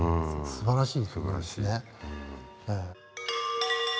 すばらしい。